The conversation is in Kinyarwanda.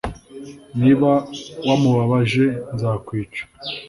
Niba wamubabaje nzakwica